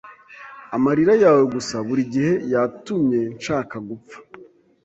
Amarira yawe gusa burigihe, yatumye nshaka gupfa!